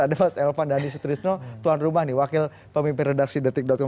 ada mas elvan dhani sutrisno tuan rumah nih wakil pemimpin redaksi detik com